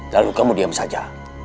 lalu kamu diam saja